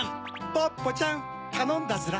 ポッポちゃんたのんだヅラ。